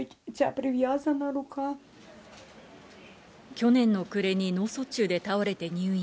去年の暮れに脳卒中で倒れて入院。